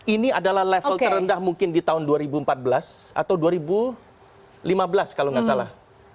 ini adalah level terendah mungkin di tahun dua ribu empat belas atau dua ribu lima belas kalau nggak salah